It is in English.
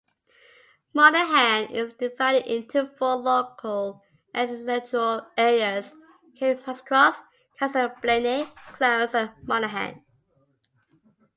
Monaghan is divided into four local electoral areas: Carrickmacross, Castleblayney, Clones and Monaghan.